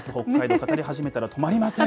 語り始めたら止まりません。